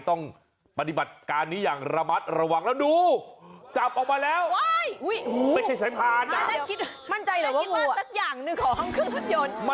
มันได้คิดมาตัดอย่างนึงองเครื่องรถยนต์